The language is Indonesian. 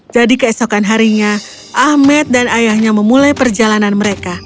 jadi keesokan harinya ahmed dan ayahnya memulai perjalanan mereka